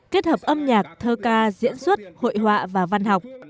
kết hợp âm nhạc thơ ca diễn xuất hội họa và văn học